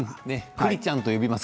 栗ちゃんと呼びます。